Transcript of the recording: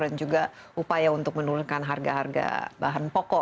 dan juga upaya untuk menurunkan harga harga bahan pokok